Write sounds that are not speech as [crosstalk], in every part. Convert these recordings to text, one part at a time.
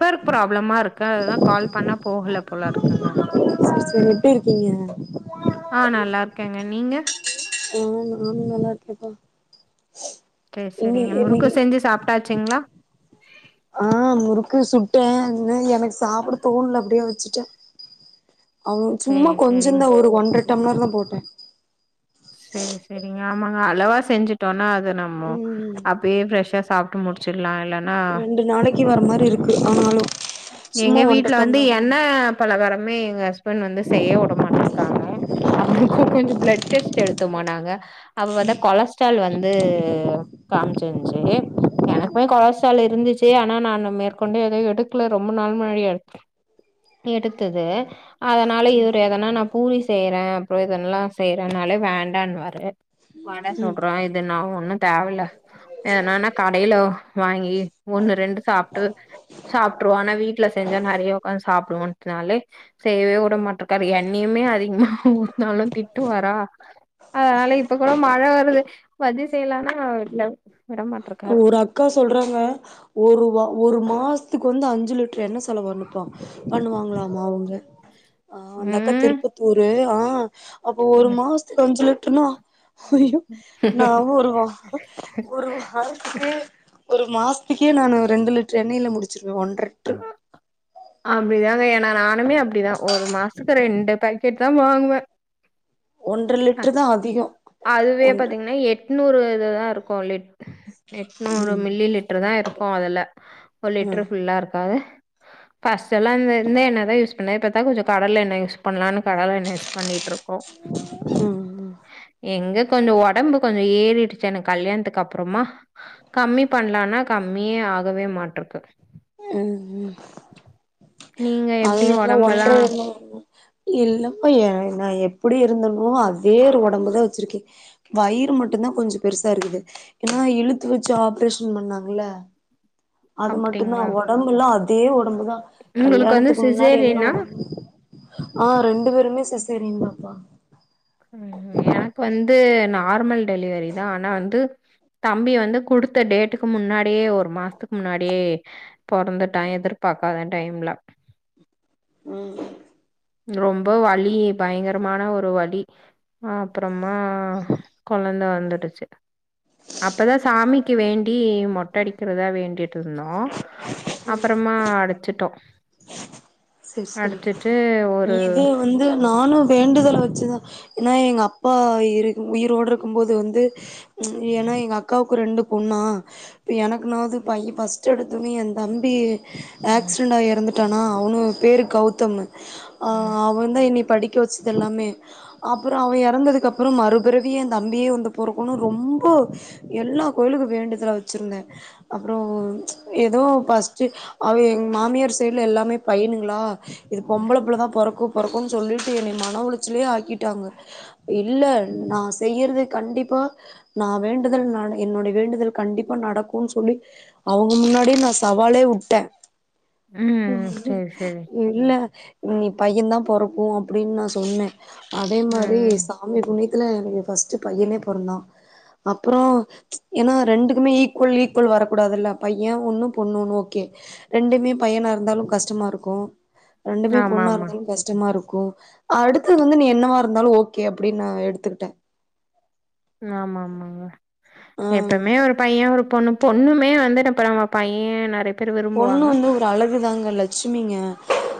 பேர்க் ப்ராப்ளமா இருக்கு அதுதா கால் பண்ணா போகல்ல போல இருக்குங்க செரி செரி எப்டி இருக்கீங்க ஆ நல்லா இருக்கேங்க நீங்க ஆ நானு நல்லா இருக்கேப்பா சேர் எங்க செரிங்க முறுக்கு இன்னைக்கு செஞ்சு சாப்ட்டாச்சுங்களா ஆ முறுக்கு சுட்டே என்ன எனக் சாப்ட தோண்ல அப்டியா வச்சிட்டே அவ் சும்மா சேரி சேரிங்க கொஞ்சந்தா ஒரு ஒன்ற டம்ளர் தா போட்டே செரி செரிங்க ஆமாங்க அளோவா செஞ்சுட்டோனா அது நம்மோ ம் அப்டியே ஃபெர்ஸ்சா சாப்ட்டு முடிச்சுட்லா எல்லார் ரெண்டு நாளைக்கு வர மாரி இருக்கு ஆனாலு எங்க சும்மா ஒன்ற வீட்ல வந்து டம்ளர் தா. எண்ண பலகாரமே எங்க ஹஸ்பண்ட் வந்து செய்ய உடமாட்டுருக்காங்க அவருக்கு கொஞ்சோ பிளட் டெஸ்ட்டு எடுத்தோம நாங்க அப்ப பாத்தா கொலஸ் டிறால் வந்து காமிச்சிந்ச்சா எனக்குமே கொலஸ்ட்ரால் இருந்துச்சி ஆனா நா மேற்கொண்டே எதோ எடுக்லப் ரொம்ப நாள் முன்னாடி எடுத்த எடுத்தது அதனால இவ்ரு எதனா நா பூரி செய்யறே அப்றோ இதெல்லா செய்யறேனாலே வேண்டான்வாரு வட ம் சுடுறோ இது நா ஒண்ணு தேவ்ல்ல எதுனனா கடையிலோ வாங்கி ஒண்ணு ரெண்டு சாப்ட்டு சாப் ட்டுவோ ஆனா வீட்ல செஞ்சா நெறைய உட்காந்ட் சாப்ட்வோட்னாலே செய்யவே உட மாட்டக்காரு எண்ணயுமே அதிக என்னா ஊதுனாலு திட்டுவாரா அதனால இப்ப கூட மழ வருது வதி செய்லான்னா லவ் விட மாட் ஊராக் க்கா சொல்றாங்க ஒரு வா ஒரு மாஸ்த்துக்கு வந்து அஞ்சு லிட்டர் எண்ண செலவு ஆகுதுப்பா பண்ணுவாங்களாமா அவுங்க ஆ அந்த அக்கா ம் தேர்க்குதூரு ஆ அப்போ ஒரு மாஸ்த்துக் அஞ்சு லிட்டுர்ன்னா நா ஒரு வா ஒரு வா காலத்துக்கே ஒரு மாசத்துக்கே நானு ஒரு ரெண்டு லிட்டுரு எண்ணையில முடிச்சிருவே ஒன்ற லிட்டரு அப்டிதாங்க ஏன்னா நானுமே அப்டிதா ஒரு மாஸ்த்துக்கு ரெண்டு பேக்கெட் தா வாங்குவே ஒன்ற லிட்டுருதா அதிகோ அதுவே ஒன்ற பாத்தீங்கென்னா எட்நூறு இதுதா இருக்கு லிட் எட்நூறு ம் மில்லி லிட்ருதா இருக்கு அதுல ஒரு ம் லிட்டுரு ஃபுல்லா இருக்காது ஃபஸ்டெல்லா இந்த இந்த எண்ண தா யூஸ் பண்ணே இப்ப தங்குசப்பா கடல எண்ண யூஸ் பண்ணலான்னு கடல எண்ண யூஸ் பண்ணிட்டிருக்கோ உம் எங்க கொஞ்ச ஒடம்பு கொஞ்சோ ஏறிடுச்சு எனக் கல்யாணத்துக்கு அப்புறோமா கம்மி பண்ணலானா கம்மியே ஆகவே மாட்ருக்கு ம் ம் நீங்க எப்டி அதுல்லா ஒன்ற ஒடம்பெல்லா [unintelligible] இல்லம்மா ஏங் நா எப்புடி இருந்தனோ அதே ஒடம்புதா வச்சிருக்கே வயிறு மட்டுதா கொஞ்ச பெருசா இருக்குது ஏன்னா இழுத்து வச்சு ஆப்ரேஷன் பண்ணாங்கள அது மட்டுதா அப்டிங்களா ஒடம்புல்லா அதே ஒடம்புதா உங்களுக்கு வந்து கல்யாணத்துக்கு முன்னாடி என்ன சிசேரியனா ஒடம் ஆ ரெண்டு பேருமே சிசேரியன் தாப்பா ம் எனக்கு வந்து நார்மல் டெலிவரி தா ஆனா வந்து தம்பி வந்து குடுத்த டேட்டுக்கு முன்னாடியே ஒரு மாசத்துக்கு முன்னாடியே பொறந்துட்டா எதிர்பாக்காத டைம்ல ம் ரொம்ப வலி பயங்கரமான ஒரு வலி அ அப்புறமா குழந்த வந்துடுச்சு அப்பதா சாமிக்கு வேண்டி மொட்ட அடிக்கிறதா வேண்டிட்டு இருந்தோ அப்பறமா அடிச்சுட்டோ செரி செரி அடிச்சுட்டு ஒரு இது வந்து நானு வேண்டுதல் வச்சுதா ஏன்னா எங்க அப்பா இரு உயிரோட இருக்கும் போது வந்து ஏன்னா எங்க அக் காக்கு ரெண்டு பொண்ணா எனக்குனாவது பைய ஃபர்ஸ்ட் எடுத்தொனே என் தம்பி கா ம் ஆக்சிடெண்டாகி இறந்துட்டானா அவனு பேரூ கௌதமு ஆ அவ வந்தெ என்னய படிக் க்க வச்சது எல்லாமே அப்புறோ அவ இறந்ததுக்கப்புறோ மறுபிறவியே ஏ தம்பியே வந்து பொறக்குனு ரொம்ப எல்லா கோயிலுக்கூ வேண்டுதல வச்சிருந்தே அப்ரோ ஏதோ ஃபஸ்ட்டு அவ எங் மாமியார் சைட்ல எல்லாமே பையனுங் கலா இது பொம்பளப் புள்ளதா பொறக்கு பொறக்குன் சொல்லிட்டு என்ன மன உளைச்சலே ஆக்கிட்டாங்க இல்ல நா செய்யறது கண்டிப்பா நா வேண்டுதல்னால என்னுடைய வேண்டுதல் கண்டிப்பா நடக்குன் சொல்லி அவங்க முன்னாடியே நா சவாலே விட்டே ம் ம் சரி, சரி. இல்ல நீ பையன் தா போறக்கோ அப்டின்னு நா சொன்னே அதே மாதிரி ம். சாமி புண்ணியத்துல எனக்கு ஃபஸ்ட்டு பையனே பெறந்தா அப்றோ ஏன்னா ரெண்டுக்குமே ஈக்குவல் ஈக்குவல் வரக்கூடாது இல்ல பையன் ஒண்ணும் பொண்ணு ஒன்னு ஓகே ரெண்டுமே பையனா இருந்தாலூ கஷ்டமா இருக்கும் ரெண்டுமே பொண்ணா ஆமாமா. இருந்தாலூ கஷ்டமா இருக்கும் அடுத்தது வந்து நீ என்னவ இருந்தாலும் ஓகே அப்படின்னு நான் எடுத்துக்கிட்டே ஆமா ஆமா ஆமா ஆ எப்பமே ஒரு பையன் ஒரு பொண்ணு பொண்ணுமே வந்துட்டு அப்றோ பையன் நறயப் பொண்ணு வந்து ஒரு அழகுதாங்க லட்சுமிங்க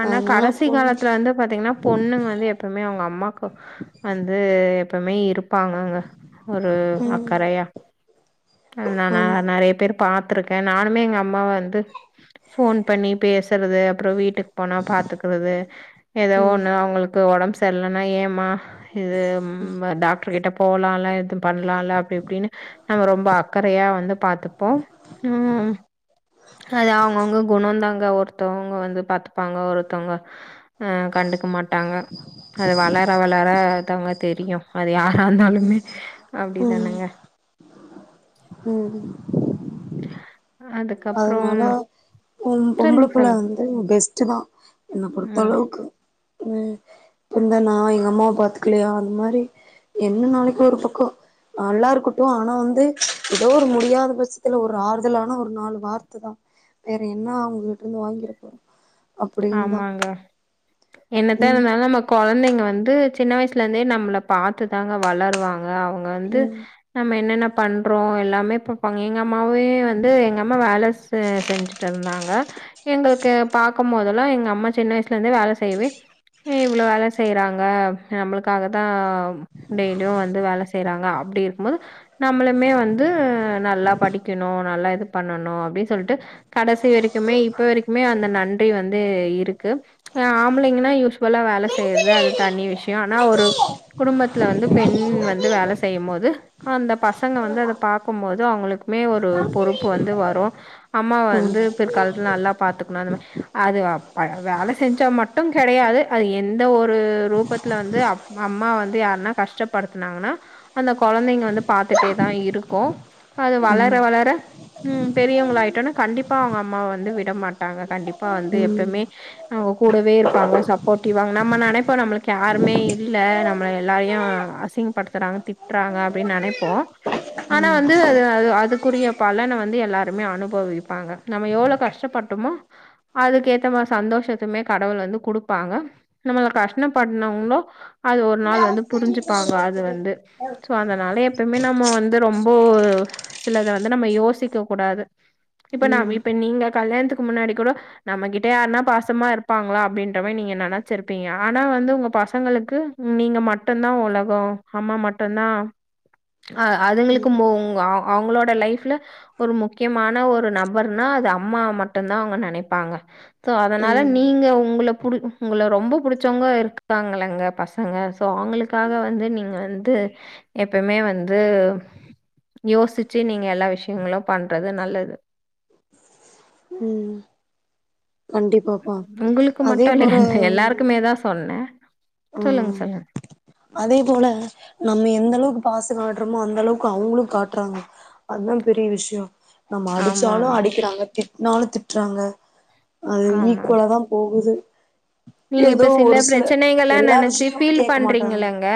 ஆனா அதனால கடசி பொண்ணு காலத்துல வந்து பாத்தீங்கன்னா பொண்ணுங்க வந்து எப்பவுமே அவுங்க அம்மாக்கு வந்து எப்பவுமே இருப் ப்பாங்கங்க ஒரு ம் அக்கறையா அது நா ஆமா நறய பேரு பாத்திருக்கே நானுமே எங்க அம்ம வந்து ஃபோன் பண்ணி பேசுறது அப்புறோ வீட்டுக் போனா பாத்துக்கறது ஏதோ ம் ஒண்ணு அவங்களுக்கு ஒடம்பு சரியலன்னா ஏமா இது ம் டாக்டர் கிட்டப் போலாம்ல இது பண்ணலால்ல அப்படி இப்படின்னு நம்ம ரொம்ப அக்கறயா வந்து பாத்துப்போ ம் அது அவங்கவங்க குணம்ந்தாங்க ஒருத்தவங்க வந்து பார்த்துப் ப்பாங்க ஒருத்தவங்க அ கண்டுக்க மாட்டாங்க அது வளர வளர தவங்க தெரியு அது யாரா இருந்தாலுமே அப்டி ம் தானங்க ம் அதுக்கப்புறம் அதனால உ பொம்பள சொல்லுங்க சொல்லுங்க புள்ளந்து பெஸ்ட் தா என்ன பொறுத்த ம் அளவுக்கு உ இந்த நா எங்க அம்மாவ பாத்துக்கலையா அந்த மாரி என்ன நாளைக்கு ஒரு பக்க நல்லாருக்கட்டு ஆனா வந்து எதோ ஒரு முடியாத பட்சத்துல ஒரு ஆறுதலான ஒரு நாள் வார்த்ததா வேற என்ன அவங்ககிட்ட இருந்து வாங்கிட போறோ அப்படின்னு தா ஆமாங்க என்னத்தா ம் இருந்தாலு நம்ம கொழந்தைங்க வந்து சின்ன வயசுல இருந்தே நம்மள பாத்துதாங்க வளருவாங்க அவங்க வந்து ம் நம்ம என்னென்ன பண்றோ எல்லாமே எங்க அம்மாவே வந்து எங்க அம்மா வேல செஞ்சுட்டு இருந்தாங்க எங்களுக்கு பா பாக்கு மோதலா எங்க அம்மா சின்ன வயசுல இருந்து வேல செய்யவே இவ்ளோ வேல செய்றாங்க நம்மளுக்காக தா டெய்லியு வந்து வேல செய்றாங்க அப்டி இருக்கு போது நம்மளுமே வந்து நல்லா படிக்கணு நல்லா இது பண்ணணு அப்டின் சொல்ட்டு கடைசி வரைக்குமே இப்ப வரைக்குமே அந்த நன் வந்து இருக்கு ஆம்பளைங்கனா யூஸ்வலா வேல செய்யறது அது தனி விஷய ஆனா ஒரு குடும்பத்துல வந்து பெண் வந்து வேல செய்யு போது அந்த பசங்க வந்து அத பாக்குபோது அவங்களுக்குமே ஒரு பொறுப்பு வந்து வரு அம்மாவ ம் வந்து பிற்காலத்துல நல்லா பாத்துக்கணு அந்த மாரி அது வேல செஞ்சா மட்டு கெடையாது அது எந்த ஒரு ரூபத்துல வந்து அப் நம்ம அம்மா வந்து யாருன்னா கஷ்டப்படுத்துனாங்கனா அந்த கொழந்தைங்க வந்து பாத்துட்டே தா இருக்கு அது வளர ம் வளர ம் பெரியவங்களாயிட்டோனே கண்டிப்பா அவங்க அம்மாவ வந்து விடமாட்டாங்க கண்டிப்பா அப்பா வந்து ம் எப்பமே அவங்க கூடவே இருப்பாங்க சப்போர்டிவாங்க நம்ம நெனைப்போ நம்மளுக்கு யாருமே இல்ல நம்மள எல்லாரையு அசி ங்க படுத்துறாங்க திட்றாங்க அப்டின் நெனைப்போ ஆனா வந்து அதுக்குரிய பலனை வந்து எல்லாருமே அனுபவிப்பாங்க நம்ம எவ்ளோ கஷ்டப்பட்டமோ அதுக்கு ஏத்த மா சந்தோஷத்துமே கடவுள் வந்து குடுப்பாங்க நம்ம கஷ்டப்படுனவங்களு அது ஒரு நாள் வந்து புரிஞ்சுப்பாங்க அது வந்து சோ அதனால எப்பமே நம்ம வந்து ரொம்ப சிலத வந்து நம்ம யோசிக்க கூடாது இப்ப நா ம் இப்ப நீங்க கல்யாணத்துக்கு முன்னாடி கூட நம்ம கிட்ட யாருன்னா பாசமா இருப்பாங்களா அப்டின்ற மாரி நீங்க நெனைச்சிருப்பீங்க ஆனா வந்து உங்க பசங்களுக்கு நீங்க மட்டு தா உலகோ அம்மா மட்டுதா அ அதுங்களுக்கு மோங்கா அவங்களோட லைஃப்ல ஒரு முக்கியமான ஒரு நபர்னா அது அம்மா மட்டு தா அவங்க நெனைப் பாங்க சோ அதனால ம் நீங்க உங்கள புடு உங்க ரொம்ப புடிச்சவங்க இருக்காங்களங்க பச ங்க சோ அவங்களுக்காக வந்து நீங்க வந்து எப்பமே வந்து யோசிச்சு நீங்க எல்லா விஷயங்களு பண்றது நல்லது ம் கண்டிப் உங்களுக்கு மட்டு இல்ல எல்லாருக்குமே தா சொன்னே சொல்லுங்க ம் சொல்லுங்க அதே போல நம்ம எந்த அளவுக்கு பாசம் காட்டுறோமோ அந்தளவுக்கு அவங்ளும் காட்றாங்க அத்தான் பெரிய விஷ்யோ நம்ம ஆமா அடிச்சாலு ஆமா அடிக்கிறாங்க திட்னாலு திட்றாங்க அது ஆமா ஈக்குவலா தா போகுது நீங்க ஏதோ இப்ப சில ஒரு பிரச்சனைகள எல்லா நெனச்சு விஷயமு பீல் கேக்க மாட்டாங்க பண்றீங்களங்க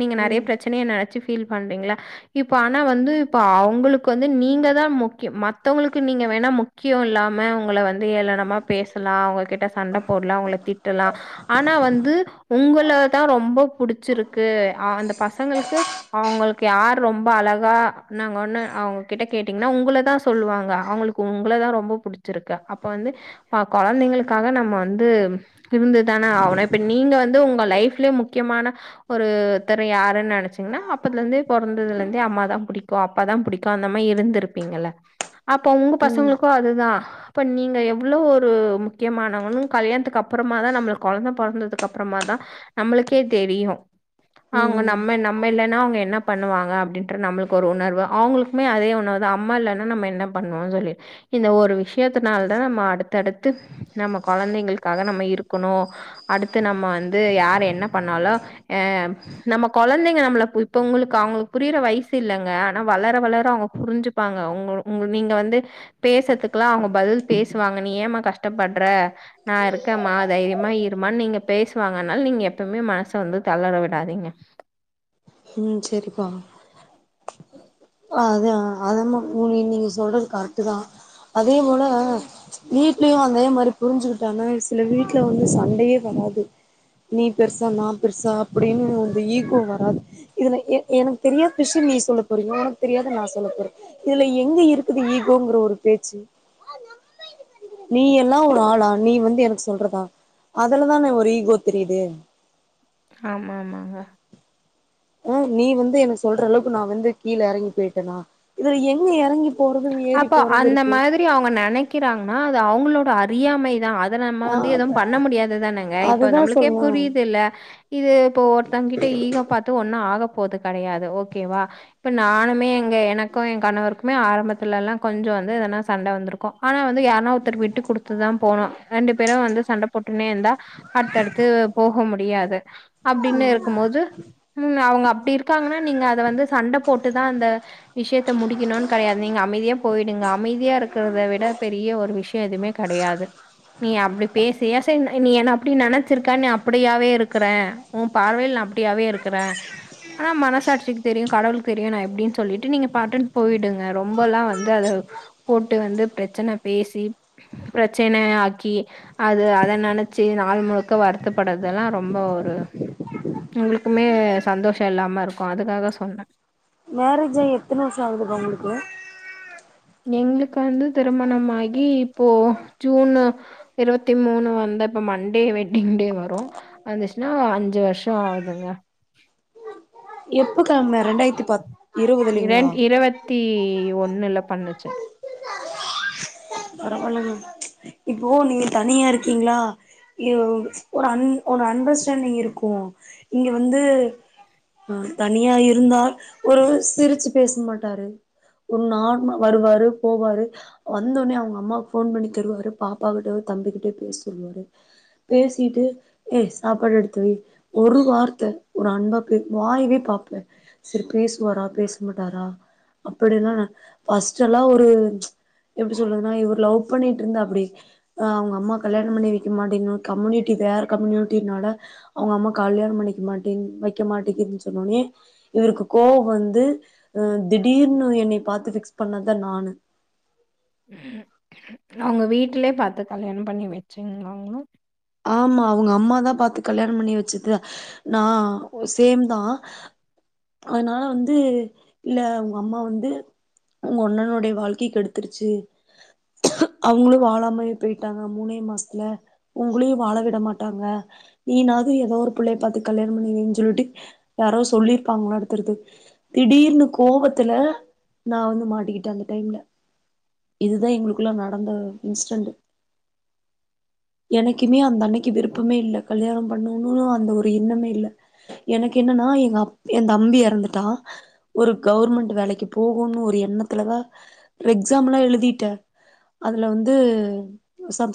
நீங்க நெறய ம் ப் ப்ரச்சனைய நெனச்சு ஃபீல் பண்றீங்ளா இப்ப ஆனா வந்து இப்ப அவங்குளுக்கு வந்து நீங்க தா முக்கியம் மத்தவங்களுக்கு நீங்க வேணா முக் க்கியோ இல்லாம உங்கள வந்து ஏளனமா பேசலா உங்ககிட்ட சண்ட போடலாம் உங்கள தீட்டாலாம் ஆனா வந்து உங்கள தா ரொம்ப புடிச்சிருக்கு அ அந்த பசங்களுக்கு அவங் யார் ரொம்ப அழகா நாங்க ஒன்னு அவங்க கிட்ட கேட்டீங்கனா உங்கள தான் சொல்லுவாங்க அவங்ளுக்கு உங்கள தான் ரொம் புடிச்சிருக்கு அப்ப வந்து அ கொழந்தைங்ளுக்காக நம்ம வந்து இருந்து தான ஆவ்னும் இப்போ நீங்க வந்து உங்க லைஃப்லா முக்கியமான ஒருத்தர் யாருன்னு நெனச்சீங்கனா அப்பதுல இருந்து போறதாதுலா இருந்து அம்மாதா புடிக்கும் அப்பாதா புடிக்கும் அந்த மா இருந்திருப்பீங்க ல்ல அப்போ உங்க ம் பசங்ளுக்கும் அது தா இப்போ நீங்க எவ்ளோ ஒரு முக்கியமானவு கல்யாணத்துக்க அப் புறமா தா நம்மள கொழந்த பொறந்ததுக்கு அப்றமா தா நம்மளுக்கே தெரியு அவ்ங்க ம் நம்ம நம் ம்ம இல்லன்னா அவ்ங்க என்ன பண்ணுவாங்க அப்டின்ற நம்மளுக் ஒரு உணர்வு அவங்குளுக்குமே அதே உணர்வு தா அம்மா இல்லானா நம்ம என்னப் பண்ணுவோன் சொல்லி இந்த ஒரு விஷயத்தினால தா நம்ம அடுத்தடுத்து நம்ம கொழந்தைகளுக்காக நம் ம்ம இருக்கணும் அடுத்து நம்ம வந்து யார் என்ன பண்ணாலும் அ நம்ம கொழந்தைங்க நாமல இப்ப உங்களுக்கு அவங்களுக் புரியற வயசு இல்லைங்க ஆனா வளர வளர அவங்க புரிஞ்சு ப்பாங்க உங் உங்க நீங்க வந்து பேசறதுக்குல்லா அவங்க பதில் பேசுவாங்க நீ ஏமா கஷ்டப்படுற நா இருக் க்க மா தைரியமா இருமான்னு நீங்க பேசுவாங்கன் னால நீங்க எப்பவுமே மனச வந்து தளற விடாதீங்க ம் செரிப்பா அது அத உ நீங்க சொல்றது கரெட்டு தா அதே போல வீட்லயும் அதே மாரி புரிஞ்சுக்கிட்டனா சில வீட்ல வந்து சண்டயே வராது நீ பெருசா நா பெருசா அப்டின்னு வந்து ஈகோ வராது இதுல எனக் எனக்கு தெரியாத விஷயம் நீ சொல்ல போறீங்க உனக்கு தெரியாத நா சொல்ல போற இதுல எங்க இருக்குது ஈகோங்ற ஒரு பேச்சு இல்லா நீ எல்லா ஒரு ஆளா நீ வந்து எனக்கு சொல்றதா அதுலதான ஒரு ஈகோ தெரியுது ஆமா ஆமாங்க ஆ நீ வந்து எனக்கு சொல்ற அளவுக்கு நான் வந்து கீழ எறங்கி போயிட்டேனா இதுல எங்க எறங்கி போறது ஏறி அப்போ போறது அந்த இருக்கு மாதிரி அவங்க நெனைக்கிறாங்கனா அது அவங்ளோட அறியாமை தா அது அத நம்ம வந்து எதுவும் ஆ பண்ண முடியாதுதானேங்க இப்ப அதுதா நம்ளுக்கே சொல்ற புரியுது இல்ல இது இப்போ ஒருத்தங்க கிட்ட ஈகோ பாத்து ஒன்னு ஆகப் போது கெடயாது ஓகேவா இப்ப நானுமே எங்க எனக்கும் எ கணவருக்குமே ஆரம்பத் லல்லா கொஞ்சம் வந்து எதனா சண்ட வந்துருக்கு ஆனா வந்து யார்னா ஒருத்தர் விட்டு கொடுத்துதா போணும் ரெண்டு பேரும் வந்து சண்ட போட்டுனே இருந்தா அடுத்தடுத்து போக முடியாது அப்டின்னு இருக்கும் போது ம் அவ்ங்க அப்பட இருக்காங்கனா நீங்க அத வந்து சண்டை போட்டுதான் அந்த விஷயத்த முடிக்ணும்னு கெடையாது நீங்க அமைதியா போயிடுங்க அமைதியா இருக்கறத விட பெரிய ஒரு விஷ்யோ எதுவுமே கெடையாது நீ அப்டி பேசு ஏ சாமி நீ என் அப்படி நெனச்சிருக்கா நீ அப்படியாவே இருக்கற உன் பார்வையில நா அப்படியாவே இருக்கற ஆனா மனசாட்சிக்கு தெரியு கடவுளுக் தெரியு நா எப்டினு சொல்லிட்டு நீங்க பாட்டுன் போயிடுங் க ரொம்பல்லா வந்து அத போட்டு வந்து பிரச்சன பேசி பிரச்சனை ஆக்கி அது அத நெனைச்சு நாள் முழுக்க வருத்தப்படுறதெல்லா ரொம்ப ஒரு உங்குளுக்குமே சந்தோஷ இல்லாம இருக்கு அதுக்காக சொன்ன மேரேஜ்ஜாகி எத்தன வருஷம் ஆகுதுப்பா உங்களுக்கு எங்களுக்கு வந்து திருமணம் ஆகி இப்போ ஜூனு இருவத்தி மூணு வந்தா இப்ப மண்டே வெட்டிங் டே வரு வந்துச்சுன்னா அஞ்சு வருஷோ ஆகுதுங்க எப்போ கா மே ரெண்டாயிரத்தி ப இருவதுலீங்களா த்தி ஒன்னுல பண்ணுச்சு பரவால்லங்க இப்போ நீங்க தனியா இருக்கீங்ளா உ ஒரு அன் ஒரு அண்டர்ஸ்டாண்டிங் இருக்கு இங்க வந்து ஆ தனியா இருந்தா ஒரு சிரிச்சு பேச மாட்டாரு ஒரு நா வருவாரு போவாரு வந்தோடனே அவங்க அம்மாக்கு போன் பண்ணித்தருவாரு பாப்பா கிட்ட தம்பி கிட்ட பேச சொல்வாரு பேசிட்டு ஏ சாப்பாடு எடுத்து வை ஒரு வார்த்த ஒரு அன்பா பே வாய்வே பாப்பே சேரி பேசுவாரா பேச மாட்டாரா அப்டில்லா இல்ல பஸ்ட் எல்லா ஒரு எப்டி சொல்றது ஆனா இவர் லவ் பண்ணிட்டு இருந்தாப்படி அவங்க அம்மா கல்யானோ பண்ணி வெக்க மாட்டேனு கம்யூனிட்டி வேற கம்யூனிட்டினால அவங்க அம்மா கல்யானோ பண்ணிக்க மாட்டே வைக்க மாட்டீகிது சொன்ன ஒண்ணே இவருக்கு கோவோ வந்து திடீர்னு என்னைய பாத்து ஃபிக்ஸ் பண்ணதா நானு உ அவங்க வீட்லயே பாத்து கல்யாணம் பண்ணி வெச்சுங்களாங்களா ஆமா அவுங்க அம்மாதா பாத்து கல்யாணம் பண்ணி வெச்சது நா சேம் தா அதனால வந்து இல்ல உங்க அம்மா வந்து உங்கொன்னனுடைய வாழ்க்கை கெடுத்துருச்சு அவங்களு வாழாமயே போயிட்டாங்க மூணே மாஸ்த்துல உங்களையு வாழ விட மாட்டாங்க நீனாவது ஏதோ ஒரு புள்ளைய பாத்து கல்யாணம் பண்ணி வைனு சொல்ட்டு யாரோ சொல்லிருப்பாங்களாட்ட தெர்து திடீர்னு கோவத்துல நா வந்து மாட்டிக்கிட்ட அந்த டைம்ல இதுதா எங்களுக்குள்ளா நடந்த இன்ஸ்டன்ட் எனைக்குமே அந்த அன்னைக்கு விருப்பமே இல்ல கல்யாணம் பண்ணணு அந்த ஒரு எண்ணமே இல்ல எனக்கு என்னன்னா எங்க அப் எந்தம்பி எறந்துட்டா ஒரு கவர்மெண்ட் வேலைக்கு போகோனு ஒரு எண்ணத்துலதா எக்ஸாம்ல்லா எழுதிட்ட அதுல வந்து சப்